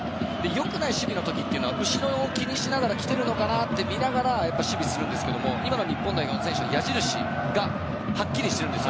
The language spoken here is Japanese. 良くない守備の時は後ろを気にしながら来てるのかな？って見ながら守備をするんですけど今の日本代表の選手は矢印がはっきりしているんです。